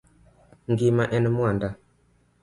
Ngima en mwanda.